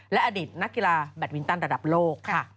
และอดีตนักกีฬาแบตมินตันระดับโลกค่ะ